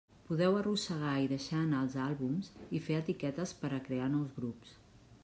Podreu arrossegar i deixar anar els àlbums i fer etiquetes per a crear nous grups.